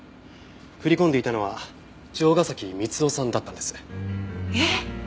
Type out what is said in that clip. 振り込んでいたのは城ヶ崎充生さんだったんです。えっ！？